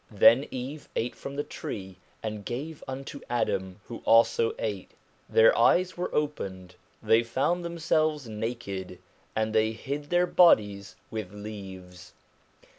Then Eve ate from the tree, and gave unto Adam, who also ate ; their eyes were opened, they found themselves naked, and they hid their bodies with leaves.